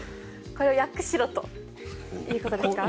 これを訳しろということですか？